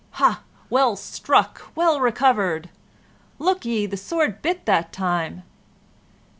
"Hah! well struck! well recovered!" "Look ye! the sword bit that time!"